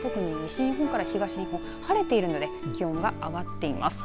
特に西日本から東日本晴れているので気温が上がっています。